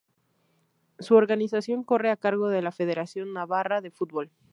Su organización corre a cargo de la Federación Navarra de Fútbol.